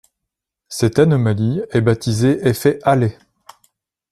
Cette anomalie est baptisée effet Allais.